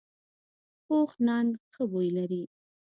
پوخ نان ښه بوی لري